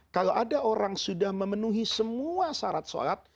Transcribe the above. kalau ada orang sudah memenuhi semua sarat solat